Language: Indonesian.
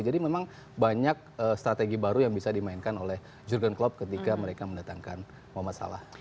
jadi memang banyak strategi baru yang bisa dimainkan oleh jurgen klopp ketika mereka mendatangkan mohamed salah